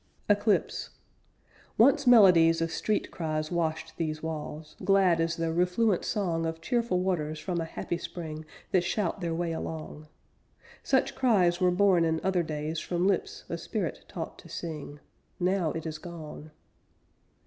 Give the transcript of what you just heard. ECLIPSE Once melodies of street cries washed these walls, Glad as the refluent song Of cheerful waters from a happy spring That shout their way along; Such cries were born in other days from lips A spirit taught to sing. Now it is gone!